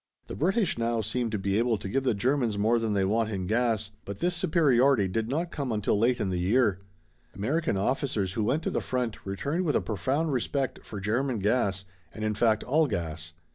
The British now seem to be able to give the Germans more than they want in gas, but this superiority did not come until late in the year. American officers who went to the front returned with a profound respect for German gas and, in fact, all gas.